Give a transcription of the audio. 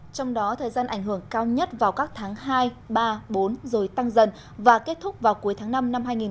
trong đó thời gian ảnh hưởng cao nhất vào các tháng hai ba bốn rồi tăng dần và kết thúc vào cuối tháng năm năm hai nghìn hai mươi